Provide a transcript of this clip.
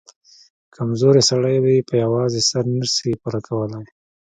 کمزورى سړى يې په يوازې سر نه سي پورې کولاى.